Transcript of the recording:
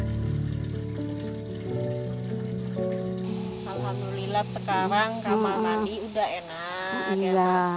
alhamdulillah sekarang kamar mandi sudah enak